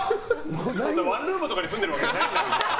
ワンルームとかに住んでるわけじゃないでしょ。